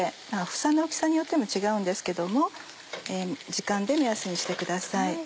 房の大きさによっても違うんですけども時間で目安にしてください。